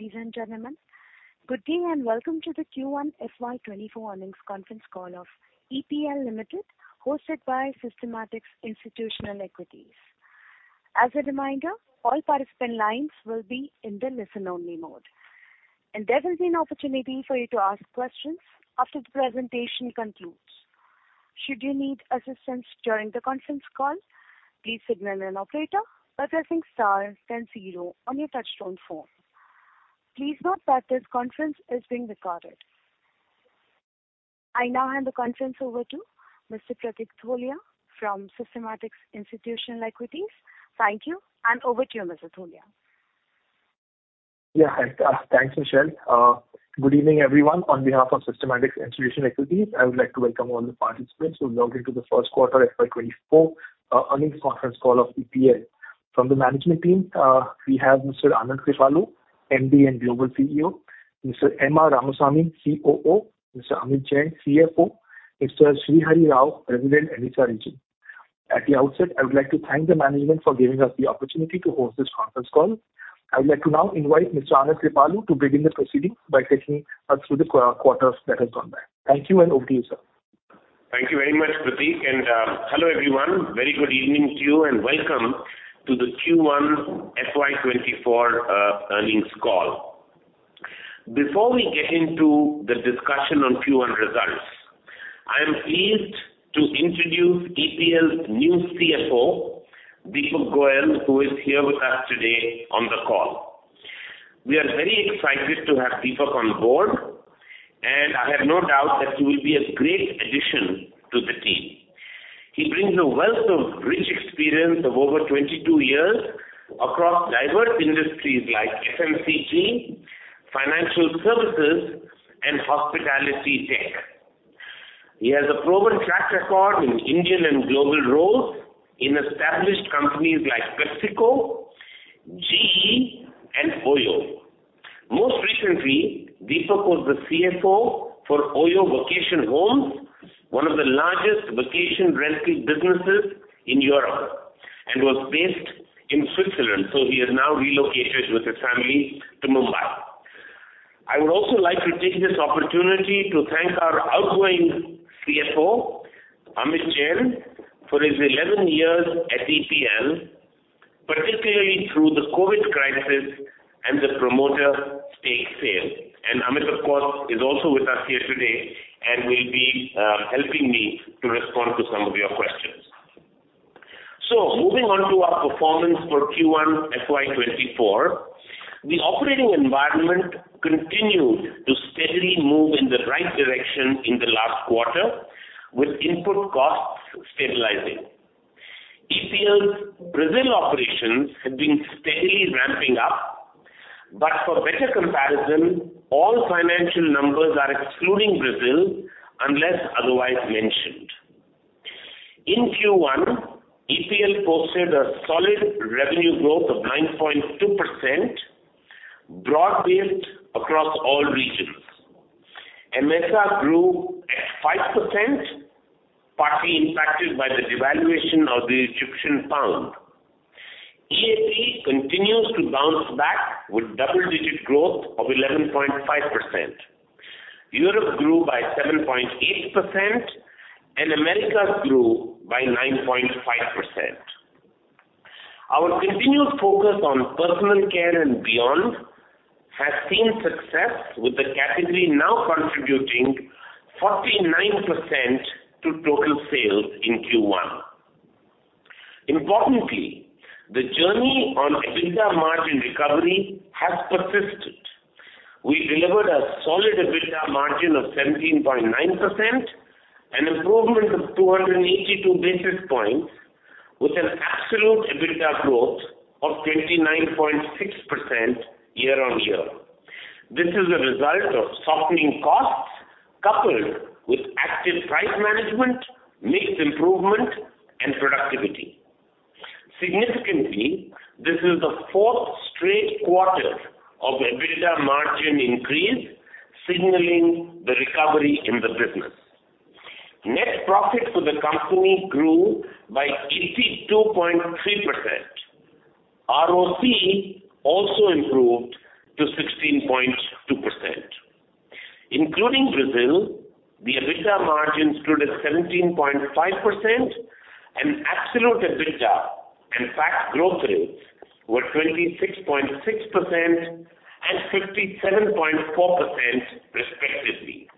Ladies and gentlemen, good day, and welcome to the Q1 FY 2024 Earnings Conference Call of EPL Limited, hosted by Systematix Institutional Equities. As a reminder, all participant lines will be in the listen-only mode, and there will be an opportunity for you to ask questions after the presentation concludes. Should you need assistance during the conference call, please signal an operator by pressing star zero on your touchtone phone. Please note that this conference is being recorded. I now hand the conference over to Mr. Prateek Tholiya from Systematix Institutional Equities. Thank you, over to you, Mr. Tholiya. Yeah. Thanks, thanks, Michelle. Good evening, everyone. On behalf of Systematix Institutional Equities, I would like to welcome all the participants who logged into the first quarter FY 2024 earnings conference call of EPL. From the management team, we have Mr. Anand Kripalu, MD and Global CEO, Mr. M.R. Ramaswamy, COO, Mr. Amit Jain, CFO, Mr. Srihari Rao, President, MENASA region. At the outset, I would like to thank the management for giving us the opportunity to host this conference call. I would like to now invite Mr. Anand Kripalu to begin the proceedings by taking us through the quarter's that has gone by. Thank you. Over to you, sir. Thank you very much, Pratik, and hello, everyone. Very good evening to you, and welcome to the Q1 FY 2024 earnings call. Before we get into the discussion on Q1 results, I am pleased to introduce EPL's new CFO, Deepak Goyal, who is here with us today on the call. We are very excited to have Deepak on board, and I have no doubt that he will be a great addition to the team. He brings a wealth of rich experience of over 22 years across diverse industries like FMCG, financial services, and hospitality tech. He has a proven track record in Indian and global roles in established companies like PepsiCo, GE, and OYO. Most recently, Deepak was the CFO for OYO Vacation Homes, one of the largest vacation rental businesses in Europe. He was based in Switzerland, so he has now relocated with his family to Mumbai. I would also like to take this opportunity to thank our outgoing CFO, Amit Jain, for his 11 years at EPL, particularly through the COVID crisis and the promoter stake sale. Amit, of course, is also with us here today and will be helping me to respond to some of your questions. Moving on to our performance for Q1 FY 2024, the operating environment continued to steadily move in the right direction in the last quarter, with input costs stabilizing. EPL's Brazil operations have been steadily ramping up, for better comparison, all financial numbers are excluding Brazil, unless otherwise mentioned. In Q1, EPL posted a solid revenue growth of 9.2%, broad-based across all regions. MENASA grew at 5%, partly impacted by the devaluation of the Egyptian pound. APE continues to bounce back with double-digit growth of 11.5%. Europe grew by 7.8%, and Americas grew by 9.5%. Our continued focus on personal care and beyond has seen success, with the category now contributing 49% to total sales in Q1. Importantly, the journey on EBITDA margin recovery has persisted. We delivered a solid EBITDA margin of 17.9%, an improvement of 282 basis points, with an absolute EBITDA growth of 29.6% year-on-year. This is a result of softening costs, coupled with active price management, mix improvement, and productivity. Significantly, this is the fourth straight quarter of EBITDA margin increase, signaling the recovery in the business. Net profit for the company grew by 82.3%. ROC also improved to 16.2%. Including Brazil, the EBITDA margin stood at 17.5%, and absolute EBITDA and PAT growth rates were 26.6% and 57.4%, respectively.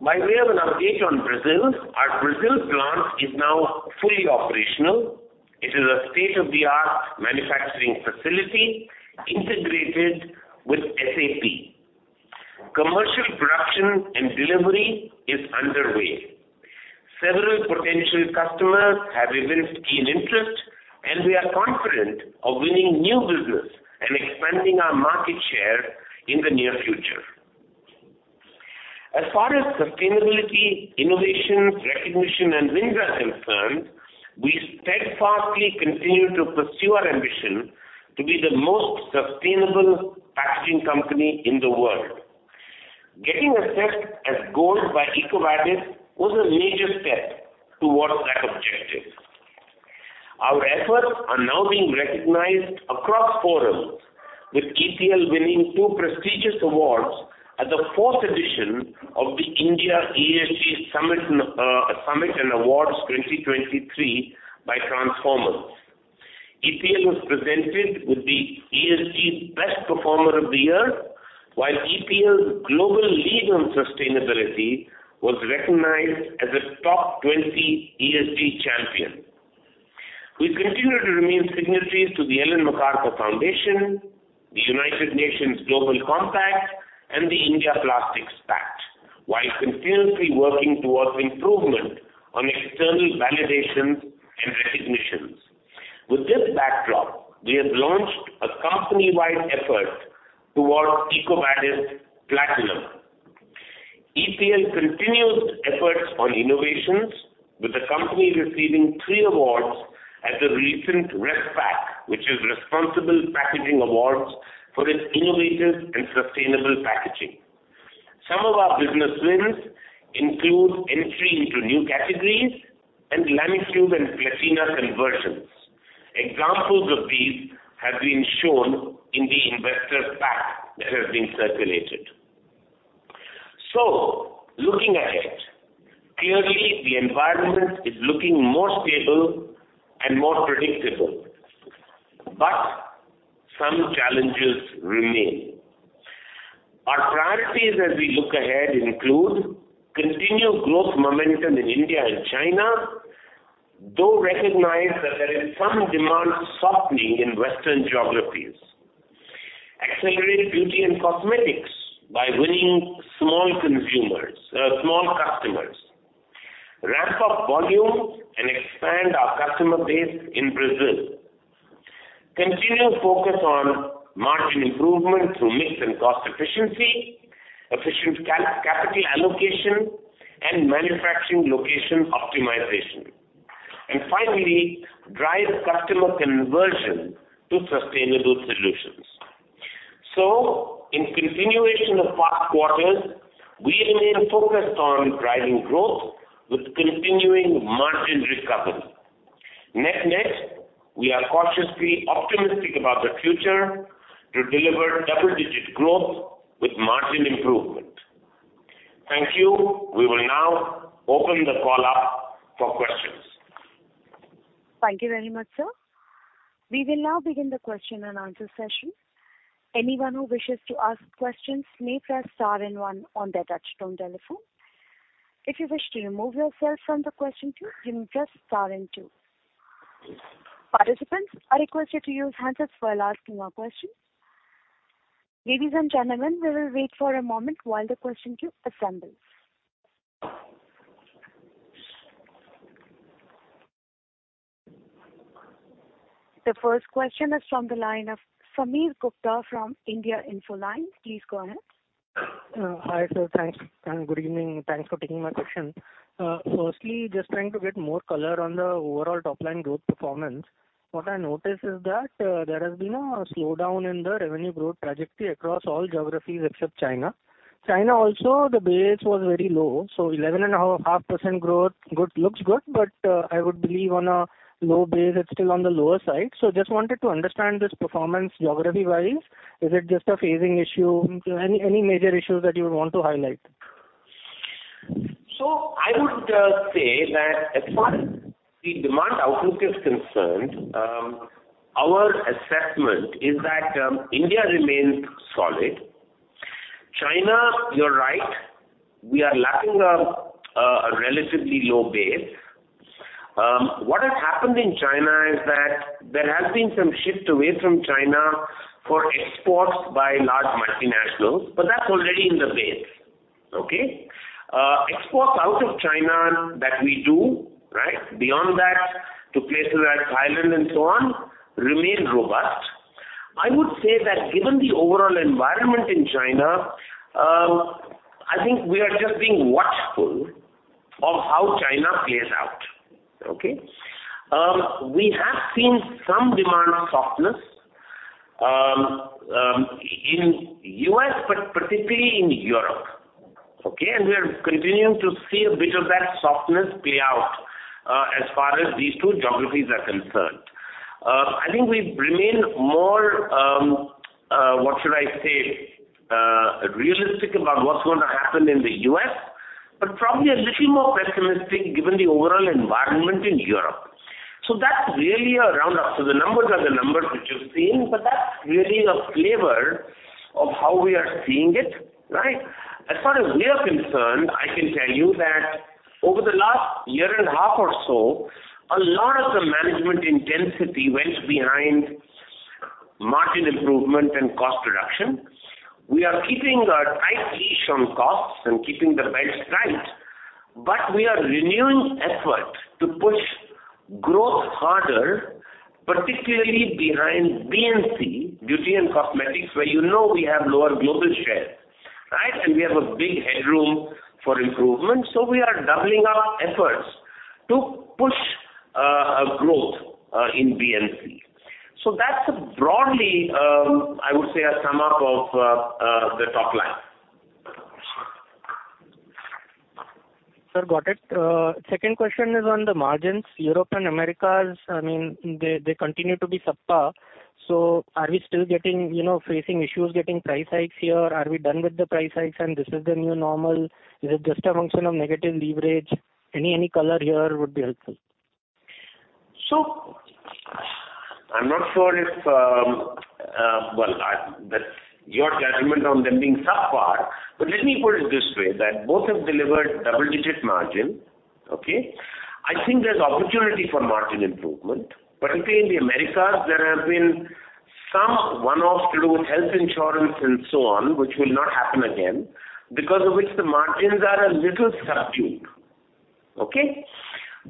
By way of an update on Brazil, our Brazil plant is now fully operational. It is a state-of-the-art manufacturing facility integrated with SAP. Commercial production and delivery is underway. Several potential customers have revealed keen interest, and we are confident of winning new business and expanding our market share in the near future. As far as sustainability, innovation, recognition, and wins are concerned, we steadfastly continue to pursue our ambition to be the most sustainable packaging company in the world. Getting assessed as gold by EcoVadis was a major step towards that objective. Our efforts are now being recognized across forums, with EPL winning two prestigious awards at the fourth edition of the India ESG Summit and Awards 2023 by Transformance. EPL was presented with the ESG Best Performer of the Year, while EPL's global lead on sustainability was recognized as a top 20 ESG champion. We continue to remain signatories to the Ellen MacArthur Foundation, the United Nations Global Compact, and the India Plastics Pact, while continuously working towards improvement on external validations and recognitions. With this backdrop, we have launched a company-wide effort towards EcoVadis Platinum. EPL continued efforts on innovations, with the company receiving three awards at the recent ResPak, which is Responsible Packaging Awards, for its innovative and sustainable packaging. Some of our business wins include entry into new categories and Lamitube and Platina conversions. Examples of these have been shown in the investor pack that has been circulated. Looking ahead, clearly the environment is looking more stable and more predictable, but some challenges remain. Our priorities as we look ahead include continued growth momentum in India and China, though recognize that there is some demand softening in Western geographies. Accelerate beauty and cosmetics by winning small consumers, small customers. Ramp up volumes and expand our customer base in Brazil. Continue focus on margin improvement through mix and cost efficiency, efficient capital allocation, and manufacturing location optimization. Finally, drive customer conversion to sustainable solutions. In continuation of past quarters, we remain focused on driving growth with continuing margin recovery. Net-net, we are cautiously optimistic about the future to deliver double-digit growth with margin improvement. Thank you. We will now open the call up for questions. Thank you very much, sir. We will now begin the question-and-answer session. Anyone who wishes to ask questions may press star and one on their touchtone telephone. If you wish to remove yourself from the question queue, you may press star and two. Participants, I request you to use handsets while asking your question. Ladies and gentlemen, we will wait for a moment while the question queue assembles. The first question is from the line of Sameer Gupta from India Infoline. Please go ahead. Hi, sir, thanks, and good evening. Thanks for taking my question. Firstly, just trying to get more color on the overall top line growth performance. What I noticed is that there has been a slowdown in the revenue growth trajectory across all geographies except China. China also, the base was very low, so 11.5% growth, good, looks good, but I would believe on a low base, it's still on the lower side. Just wanted to understand this performance geography-wise. Is it just a phasing issue? Any major issues that you would want to highlight? I would say that as far as the demand outlook is concerned, our assessment is that India remains solid. China, you're right, we are lacking a relatively low base. What has happened in China is that there has been some shift away from China for exports by large multinationals, but that's already in the base. Okay? Exports out of China that we do, right, beyond that, to places like Thailand and so on, remain robust. I would say that given the overall environment in China, I think we are just being watchful of how China plays out. Okay? We have seen some demand softness in U.S. but particularly in Europe, okay? We are continuing to see a bit of that softness play out as far as these two geographies are concerned. I think we remain more, what should I say? Realistic about what's going to happen in the U.S. but probably a little more pessimistic given the overall environment in Europe. That's really a roundup. The numbers are the numbers which you've seen, but that's really the flavor of how we are seeing it, right? As far as we are concerned, I can tell you that over the last year and a half or so, a lot of the management intensity went behind margin improvement and cost reduction. We are keeping a tight leash on costs and keeping the belt tight, but we are renewing effort to push growth harder, particularly behind BNC, beauty and cosmetics, where you know we have lower global share, right? We have a big headroom for improvement, so we are doubling our efforts to push a growth in BNC. That's broadly, I would say, a sum up of the top line. Sir, got it. Second question is on the margins. Europe and Americas, I mean, they, they continue to be subpar, so are we still getting facing issues, getting price hikes here? Are we done with the price hikes, and this is the new normal? Is it just a function of negative leverage? Any, any color here would be helpful. I'm not sure if that's your judgment on them being subpar, but let me put it this way, that both have delivered double-digit margin. Okay? I think there's opportunity for margin improvement. Particularly in the Americas, there have been some one-off through health insurance and so on, which will not happen again, because of which the margins are a little subdued. Okay?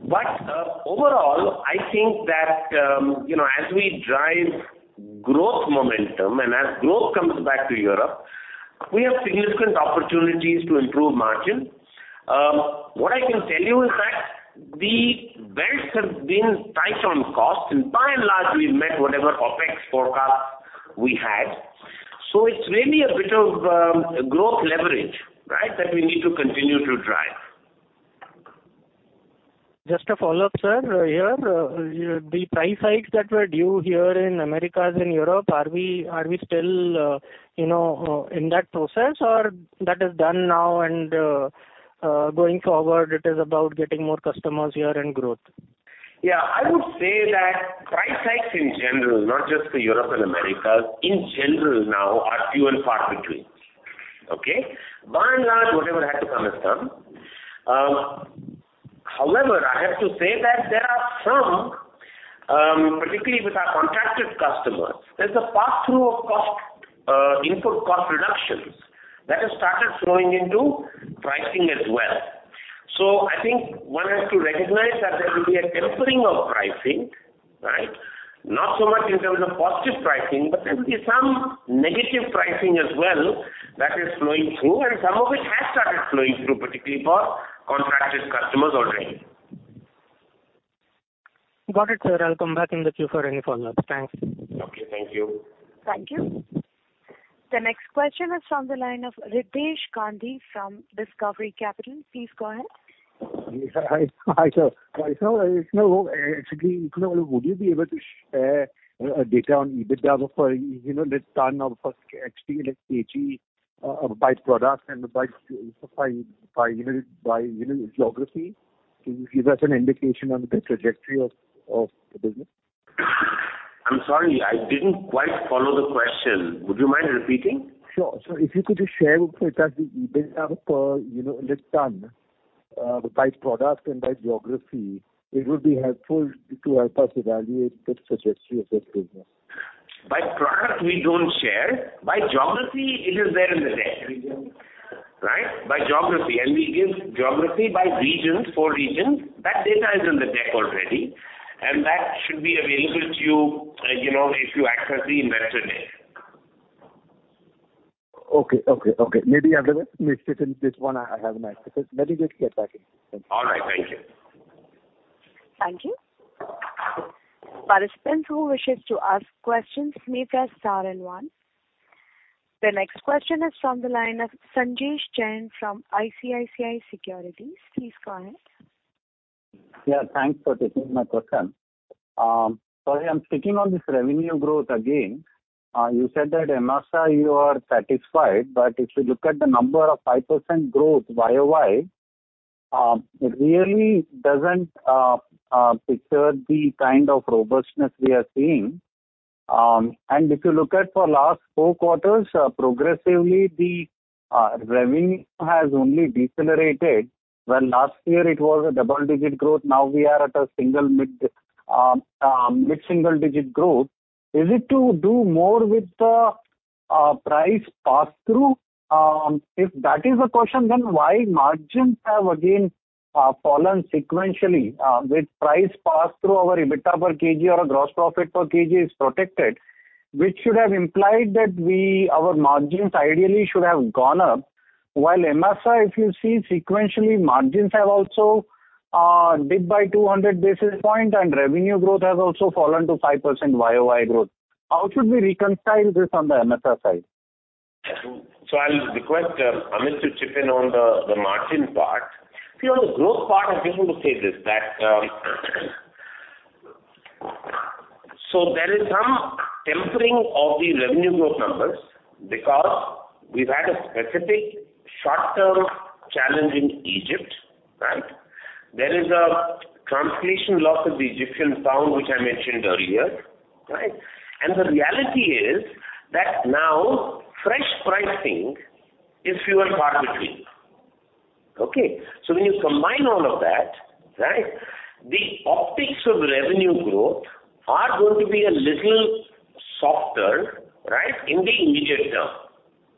Overall, I think that, you know, as we drive growth momentum and as growth comes back to Europe, we have significant opportunities to improve margin. What I can tell you is that the belts have been tight on costs, and by and large, we've met whatever OpEx forecast we had. It's really a bit of growth leverage, right, that we need to continue to drive. Just a follow-up, sir, here. The price hikes that were due here in Americas and Europe, are we, are we still in that process, or that is done now and, going forward, it is about getting more customers here and growth? Yeah, I would say that price hikes in general, not just for Europe and Americas, in general now are few and far between. Okay? By and large, whatever had to come has come. However, I have to say that there are some, particularly with our contracted customers, there's a pass-through of cost, input cost reductions that has started flowing into pricing as well. I think one has to recognize that there will be a tempering of pricing, right? Not so much in terms of positive pricing, but there will be some negative pricing as well that is flowing through, and some of it has started flowing through, particularly for contracted customers already. Got it, sir. I'll come back in the queue for any follow-ups. Thanks. Okay, thank you. Thank you. The next question is from the line of Riddhesh Gandhi from Discovery Capital. Please go ahead. Hi, hi, sir. You know, actually, you know, would you be able to share data on EBITDA for, you know, per ton or for actually like KG, by product and by, by, by, you know, by, you know, geography? Can you give us an indication on the trajectory of, of the business? I'm sorry, I didn't quite follow the question. Would you mind repeating? Sure. If you could just share with us the EBITDA per ton, by product and by geography, it would be helpful to help us evaluate the trajectory of this business. By product, we don't share. By geography, it is there in the deck. Right? By geography, we give geography by regions, 4 regions. That data is in the deck already, that should be available to you if you access the investor deck. Okay, okay, okay. Maybe I missed it in this one. I haven't asked, but let me just get back in. All right, thank you. Thank you. Participants who wishes to ask questions, may press star and one. The next question is from the line of Sanjesh Jain from ICICI Securities. Please go ahead. Yeah, thanks for taking my question. I'm sticking on this revenue growth again. You said that AMESA, you are satisfied, but if you look at the number of 5% growth YOY, it really doesn't picture the kind of robustness we are seeing. If you look at for last four quarters, progressively, the revenue has only decelerated. When last year it was a double-digit growth, now we are at a single mid, mid-single digit growth. Is it to do more with the price pass-through? If that is the question, then why margins have again fallen sequentially with price pass-through our EBITDA per KG or our gross profit per kg is protected, which should have implied that our margins ideally should have gone up. AMESA, if you see sequentially, margins have also dipped by 200 basis points, and revenue growth has also fallen to 5% Y-o-Y growth. How should we reconcile this on the AMESA side? I'll request Amit to chip in on the, the margin part. See, on the growth part, I'm going to say this, that there is some tempering of the revenue growth numbers because we've had a specific short-term challenge in Egypt, right? There is a translation loss of the Egyptian pound, which I mentioned earlier, right? The reality is that now fresh pricing is few and far between. Okay? When you combine all of that, right, the optics of revenue growth are going to be a little softer, right, in the immediate term,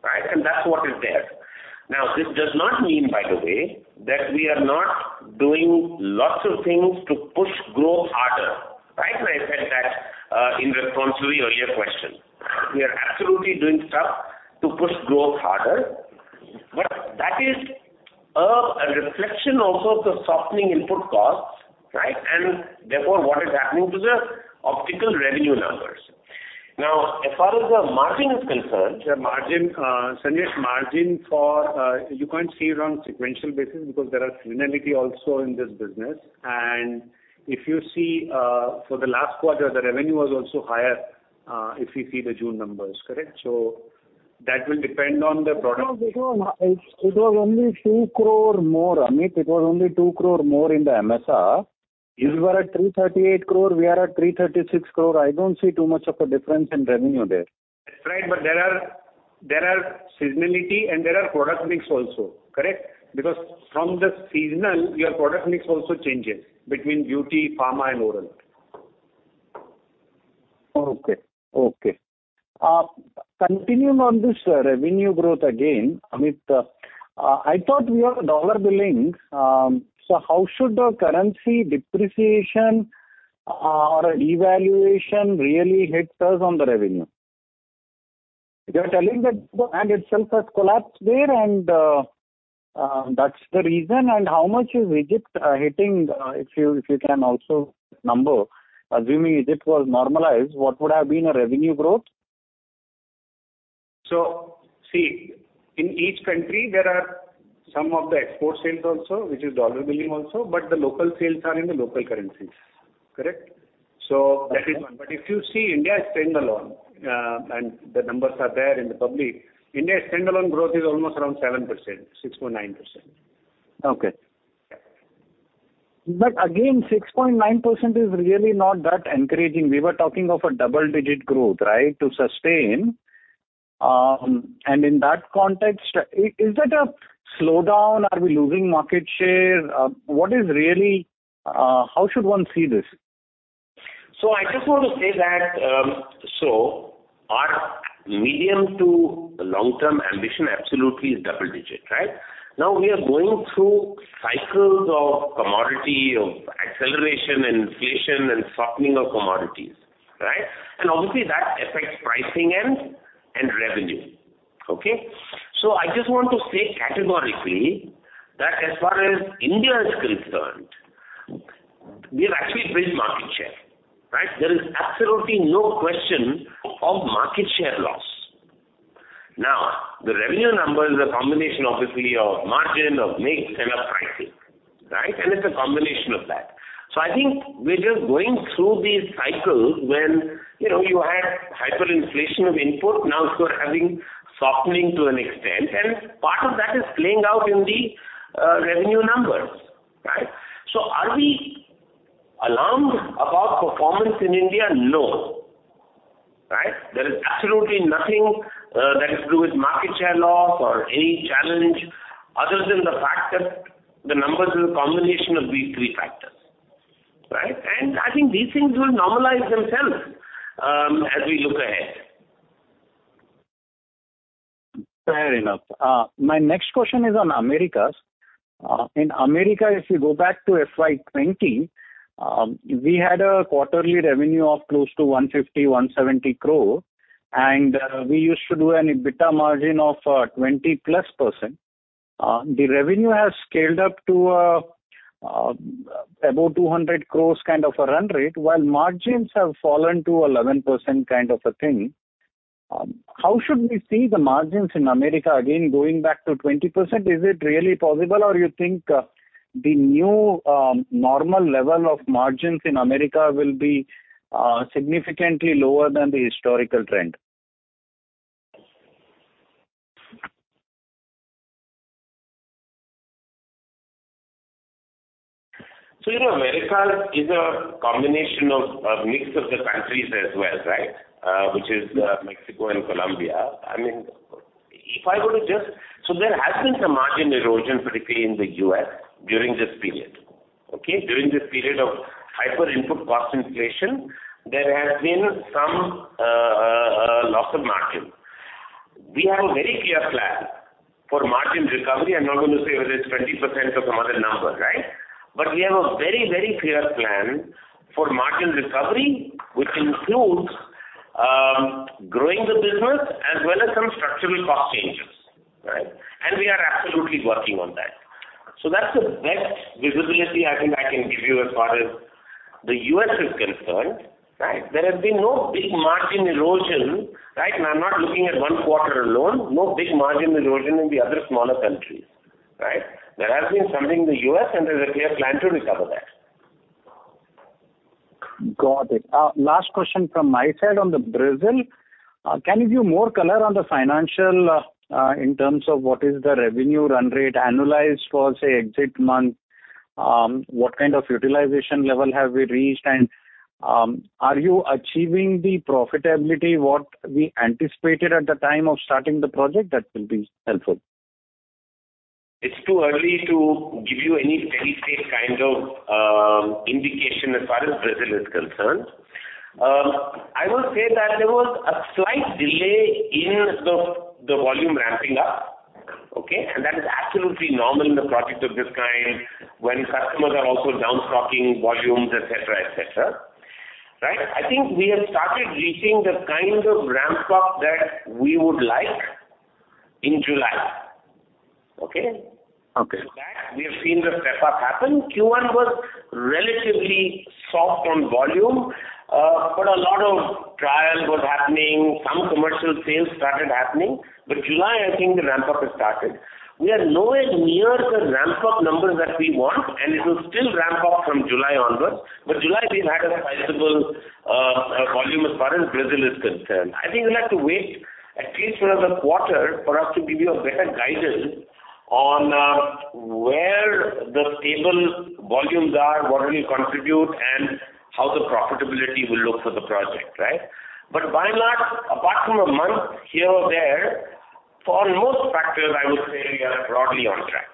right? That's what is there. Now, this does not mean, by the way, that we are not doing lots of things to push growth harder. Right? I said that in response to your earlier question. We are absolutely doing stuff to push growth harder. That is a reflection also of the softening input costs, right? Therefore, what is happening to the optical revenue numbers. As far as the margin is concerned. The margin, Sanjay, margin for, you can't see it on sequential basis because there are seasonality also in this business. If you see, for the last quarter, the revenue was also higher, if you see the June numbers, correct? That will depend on the product. It was only 2 crore more, Amit. It was only 2 crore more in the MSR. You were at 338 crore, we are at 336 crore. I don't see too much of a difference in revenue there. That's right. There are, there are seasonality and there are product mix also, correct? From the seasonal, your product mix also changes between beauty, pharma, and oral. Okay. Okay. Continuing on this revenue growth again, Amit, I thought we were dollar billing, so how should the currency depreciation or devaluation really hits us on the revenue? You're telling that the brand itself has collapsed there, and that's the reason. How much is Egypt hitting, if you, if you can also number, assuming Egypt was normalized, what would have been a revenue growth? See, in each country, there are some of the export sales also, which is dollar billing also, but the local sales are in the local currencies. Correct? That is one. If you see, India is standalone, and the numbers are there in the public. India's standalone growth is almost around 7%, 6.9%. Okay. Again, 6.9% is really not that encouraging. We were talking of a double-digit growth, right, to sustain. In that context, is that a slowdown? Are we losing market share? What is really, how should one see this? I just want to say that our medium to long-term ambition absolutely is double-digit, right? Now, we are going through cycles of commodity, of acceleration and inflation and softening of commodities, right? Obviously, that affects pricing and revenue. Okay? I just want to say categorically, that as far as India is concerned, we have actually built market share, right? There is absolutely no question of market share loss. Now, the revenue number is a combination obviously of margin, of mix, and of pricing, right? It's a combination of that. I think we're just going through these cycles when, you know, you had hyperinflation of input, now you are having softening to an extent, and part of that is playing out in the revenue numbers, right? Are we alarmed about performance in India? No. Right? There is absolutely nothing that is to do with market share loss or any challenge, other than the fact that the numbers are a combination of these three factors, right? I think these things will normalize themselves as we look ahead. Fair enough. My next question is on Americas. In America, if you go back to FY 2020, we had a quarterly revenue of close to 150 crore-170 crore, and we used to do an EBITDA margin of 20%+. The revenue has scaled up to about 200 crore, kind of a run rate, while margins have fallen to 11%, kind of a thing. How should we see the margins in America again, going back to 20%? Is it really possible or you think the new normal level of margins in America will be significantly lower than the historical trend? You know, America is a combination of a mix of the countries as well, right? Which is Mexico and Colombia. I mean, if I were to just... There has been some margin erosion, particularly in the U.S. during this period. Okay? During this period of hyper input cost inflation, there has been some loss of margin. We have a very clear plan for margin recovery. I'm not going to say whether it's 20% or some other number, right? We have a very, very clear plan for margin recovery, which includes growing the business as well as some structural cost changes, right? We are absolutely working on that. That's the best visibility I think I can give you as far as the US is concerned, right? There has been no big margin erosion, right, and I'm not looking at one quarter alone, no big margin erosion in the other smaller countries, right? There has been something in the U.S. and there's a clear plan to recover that. Got it. Last question from my side on Brazil. Can you give more color on the financial, in terms of what is the revenue run rate annualized for, say, exit month? What kind of utilization level have we reached? And, are you achieving the profitability, what we anticipated at the time of starting the project? That will be helpful. It's too early to give you any steady state kind of indication as far as Brazil is concerned. I will say that there was a slight delay in the, the volume ramping up, okay? That is absolutely normal in the projects of this kind, when customers are also destocking volumes, et cetera, et cetera, right? I think we have started reaching the kind of ramp-up that we would like in July. Okay? Okay. That, we have seen the prep-up happen. Q1 was relatively soft on volume, but a lot of trial was happening, some commercial sales started happening, but July, I think the ramp-up has started. We are nowhere near the ramp-up numbers that we want, and it will still ramp up from July onwards, but July, we've had a sizable volume as far as Brazil is concerned. I think we'll have to wait at least another quarter for us to give you a better guidance on where the stable volumes are, what will contribute, and how the profitability will look for the project, right? By and large, apart from a month here or there, for most factors, I would say we are broadly on track.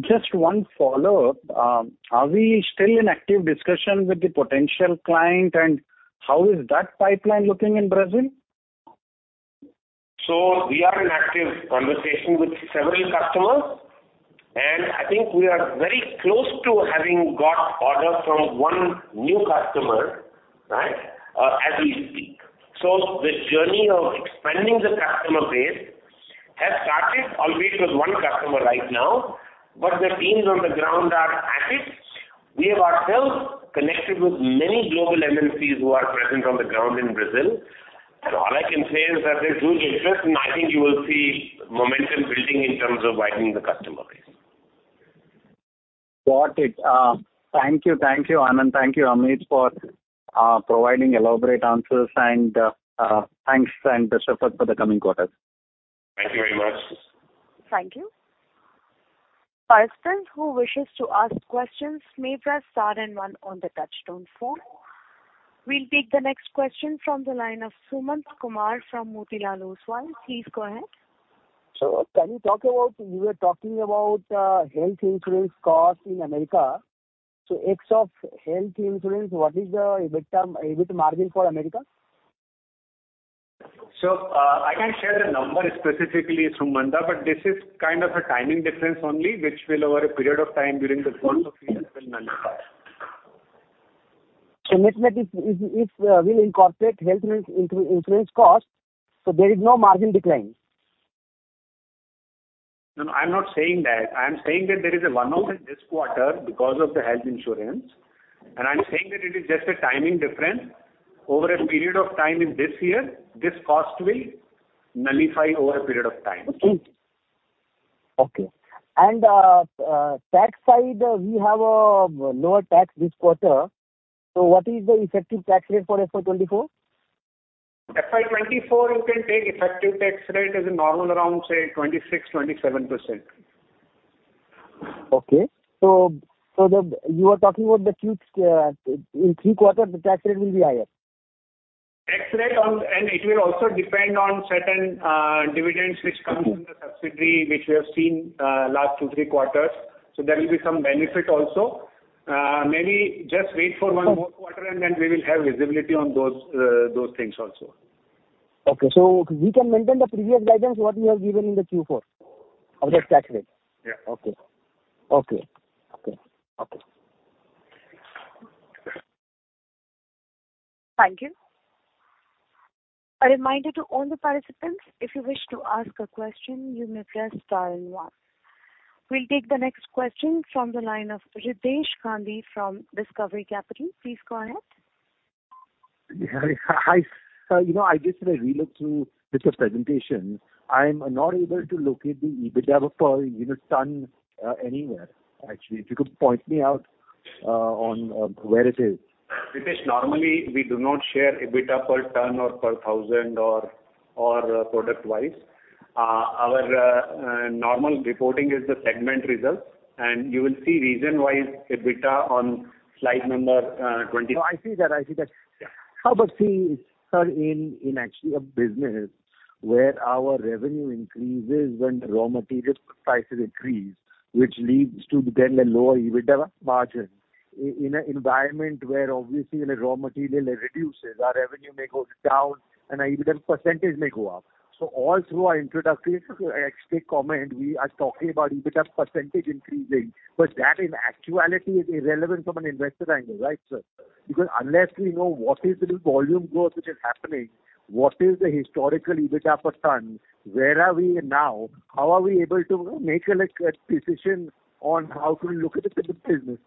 Just one follow-up. Are we still in active discussion with the potential client, and how is that pipeline looking in Brazil? We are in active conversation with several customers, and I think we are very close to having got order from one new customer, right, as we speak. The journey of expanding the customer base has started, albeit with one customer right now, but the teams on the ground are at it. We have ourselves connected with many global MNCs who are present on the ground in Brazil. All I can say is that there's huge interest, and I think you will see momentum building in terms of widening the customer base. Got it. Thank you, thank you, Anand. Thank you, Amit, for providing elaborate answers, and thanks, and best effort for the coming quarters. Thank you very much. Thank you. Participants who wishes to ask questions may press star and one on the touchtone phone. We'll take the next question from the line of Sumant Kumar from Motilal Oswal. Please go ahead. You were talking about, health insurance cost in Americas? Ex of health insurance, what is the EBITDA, EBIT margin for Americas? I can't share the number specifically, Sumant, but this is kind of a timing difference only, which will over a period of time during the course of year will nullify. Let's say if, if, if, we'll incorporate health insurance cost, so there is no margin decline? No, I'm not saying that. I'm saying that there is a one-off this quarter because of the health insurance, and I'm saying that it is just a timing difference. Over a period of time in this year, this cost will nullify over a period of time. Okay. Tax side, we have a lower tax this quarter, so what is the effective tax rate for FY 2024? FY 2024, you can take effective tax rate as a normal, around, say, 26%-27%. Okay. So, so the, you are talking about the Q3 quarter, the tax rate will be higher? Tax rate on. It will also depend on certain dividends which comes from the subsidiary, which we have seen last 2, 3 quarters. There will be some benefit also. Maybe just wait for one more quarter, and then we will have visibility on those things also. Okay. We can maintain the previous guidance, what you have given in the Q4 of the tax rate? Yeah. Okay. Okay. Okay, okay. Thank you. A reminder to all the participants, if you wish to ask a question, you may press star and one. We'll take the next question from the line of Riddhesh Gandhi from Discovery Capital. Please go ahead. Hi. you know, I just had a re-look through the presentation. I'm not able to locate the EBITDA per unit ton anywhere, actually. If you could point me out on where it is. Riddhesh, normally, we do not share EBITDA per ton or per thousand or product-wise. Our normal reporting is the segment results, and you will see region-wise EBITDA on slide number twenty-. No, I see that. I see that. Yeah. How about see, sir, in actually a business where our revenue increases when the raw material prices increase, which leads to then a lower EBITDA margin. In an environment where obviously the raw material reduces, our revenue may go down and our EBITDA percentage may go up. All through our introductory exit comment, we are talking about EBITDA percentage increasing, but that in actuality is irrelevant from an investor angle, right, sir? Unless we know what is the volume growth which is happening, what is the historical EBITDA per ton, where are we now? How are we able to make a decision on how to look at the business?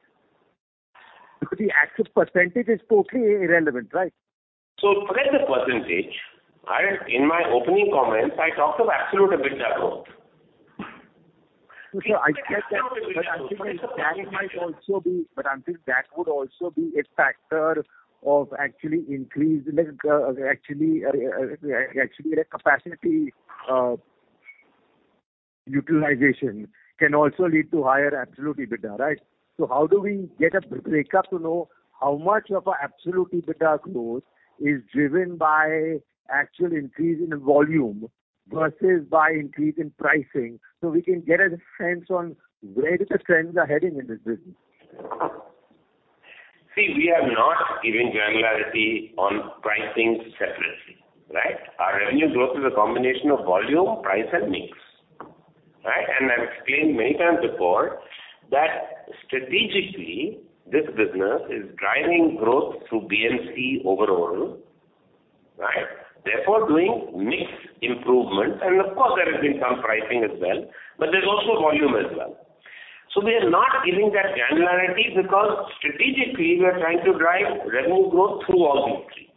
The actual percentage is totally irrelevant, right? Forget the percentage. I, in my opening comments, I talked of absolute EBITDA growth. I said that, but I think that would also be a factor of actually increase, like, actually, actually, the capacity utilization can also lead to higher absolute EBITDA, right? How do we get a breakup to know how much of our absolute EBITDA growth is driven by actual increase in the volume versus by increase in pricing, so we can get a sense on where the trends are heading in this business? See, we are not giving granularity on pricing separately, right? Our revenue growth is a combination of volume, price, and mix. I've explained many times before that strategically, this business is driving growth through BNC overall, right? Therefore, doing mix improvements, and of course, there has been some pricing as well, but there's also volume as well. We are not giving that granularity, because strategically we are trying to drive revenue growth through all these.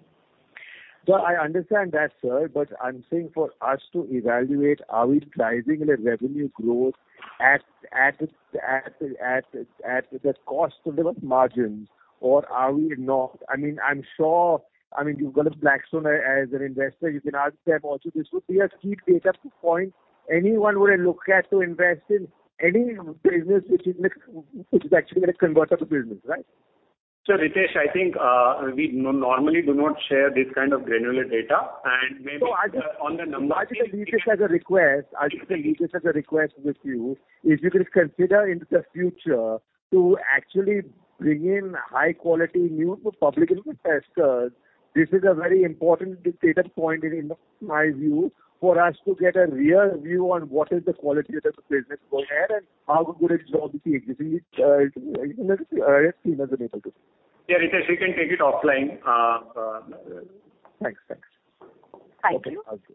Sir, I understand that, sir, but I'm saying for us to evaluate, are we pricing the revenue growth at cost to deliver margins or are we not? I mean, I'm sure, I mean, you've got Blackstone as an investor. You can ask them also this. We have key data point anyone would look at to invest in any business which is actually a convertible business, right? Sir, Riddhesh, I think, we normally do not share this kind of granular data, and maybe on the numbers. I'll just leave this as a request. I'll just leave this as a request with you. If you could consider in the future to actually bring in high quality news to public investors. This is a very important data point in, in my view, for us to get a real view on what is the quality of the business going ahead and how good it is obviously. Yeah, Riddhesh, we can take it offline. Thanks. Thanks. Thank you. Okay.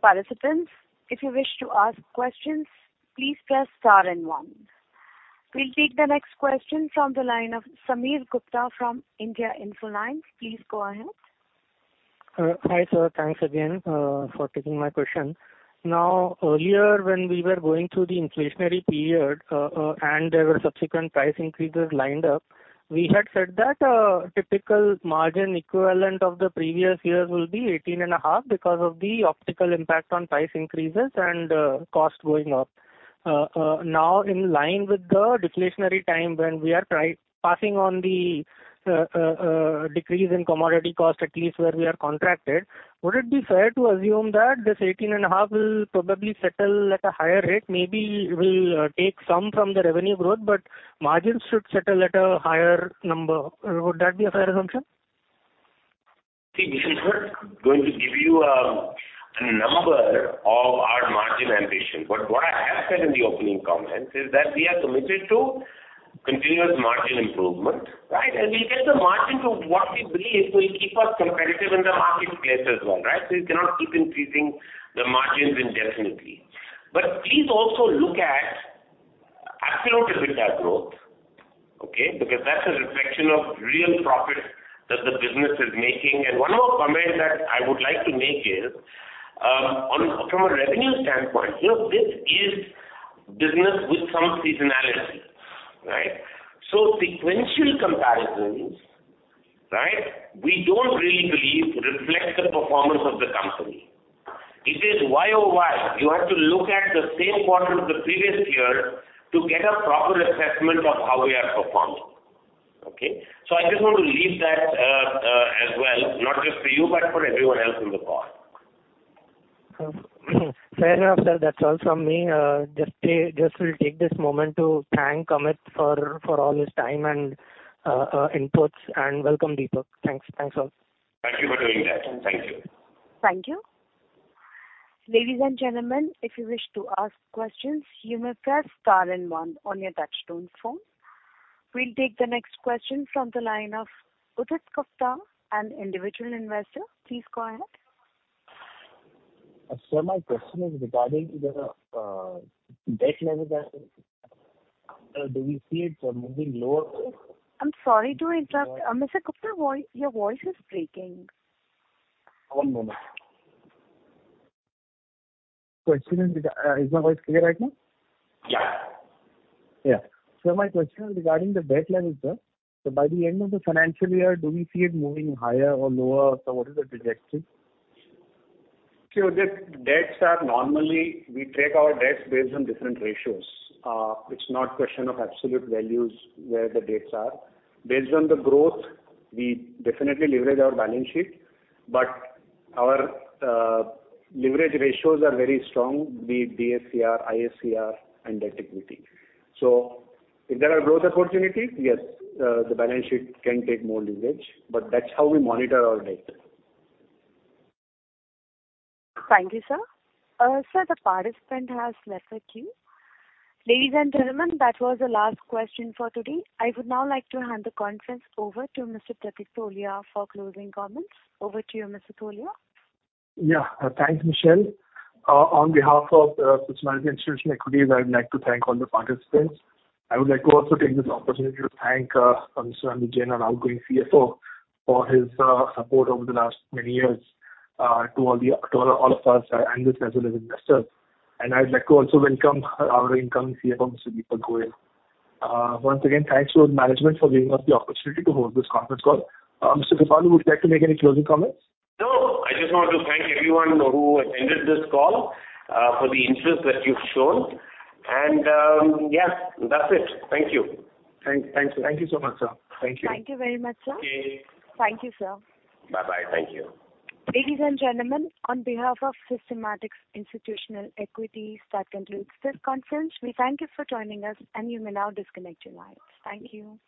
Participants, if you wish to ask questions, please press star 1. We'll take the next question from the line of Sameer Gupta from India Infoline. Please go ahead. Hi, sir. Thanks again for taking my question. Earlier, when we were going through the inflationary period, and there were subsequent price increases lined up, we had said that typical margin equivalent of the previous years will be 18.5%, because of the optical impact on price increases and cost going up. In line with the deflationary time when we are passing on the decrease in commodity cost, at least where we are contracted, would it be fair to assume that this 18.5% will probably settle at a higher rate? Maybe we'll take some from the revenue growth, but margins should settle at a higher number. Would that be a fair assumption? See, we are not going to give you, a number of our margin ambition, but what I have said in the opening comments is that we are committed to continuous margin improvement, right? We get the margin to what we believe will keep us competitive in the marketplace as well, right? We cannot keep increasing the margins indefinitely. Please also look at absolute EBITDA growth, okay? Because that's a reflection of real profit that the business is making. One more comment that I would like to make is, on, from a revenue standpoint, here, this is business with some seasonality, right? Sequential comparisons, right, we don't really believe reflect the performance of the company. It is Y-o-Y. You have to look at the same quarter of the previous year to get a proper assessment of how we are performing. Okay? I just want to leave that as well, not just for you, but for everyone else in the call. Fair enough, sir. That's all from me. Just will take this moment to thank Amit for, for all his time and inputs, and welcome, Deepak. Thanks. Thanks, all. Thank you for doing that. Thank you. Thank you. Ladies and gentlemen, if you wish to ask questions, you may press star and 1 on your touchtone phone. We'll take the next question from the line of Udit Gupta, an individual investor. Please go ahead. Sir, my question is regarding the debt levels and do we see it moving lower? I'm sorry to interrupt. Mr. Gupta, voice, your voice is breaking. One moment. Question is... Is my voice clear right now? Yeah. Yeah. My question is regarding the debt levels, sir. By the end of the financial year, do we see it moving higher or lower? What is the projection? Sure, the debts are normally, we take our debts based on different ratios. It's not question of absolute values, where the debts are. Based on the growth, we definitely leverage our balance sheet, but our leverage ratios are very strong, be it DSCR, ISCR and debt equity. If there are growth opportunities, yes, the balance sheet can take more leverage, but that's how we monitor our debt. Thank you, sir. Sir, the participant has left the queue. Ladies and gentlemen, that was the last question for today. I would now like to hand the conference over to Mr. Pratik Tholiya for closing comments. Over to you, Mr. Tholia. Yeah. Thanks, Michelle. On behalf of Systematix Institutional Equities, I'd like to thank all the participants. I would like to also take this opportunity to thank Mr. Amit Jain, our outgoing CFO, for his support over the last many years, to all of us, and as well as investors. I'd like to also welcome our incoming CFO, Mr. Deepak Goyal. Once again, thanks to the management for giving us the opportunity to hold this conference call. Mr. Kripalu, would you like to make any closing comments? No. I just want to thank everyone who attended this call, for the interest that you've shown, and, yes, that's it. Thank you. Thank, thank you so much, sir. Thank you. Thank you very much, sir. Okay. Thank you, sir. Bye-bye. Thank you. Ladies and gentlemen, on behalf of Systematix Institutional Equities, that concludes this conference. We thank you for joining us, and you may now disconnect your lines. Thank you.